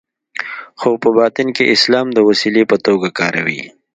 خو په باطن کې اسلام د وسیلې په توګه کاروي.